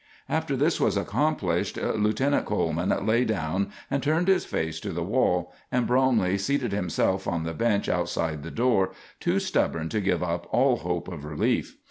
After this was accomplished, Lieutenant Coleman lay down and turned his face to the wall, and Bromley seated himself on the bench outside the door, too stubborn to give up all hope of relief.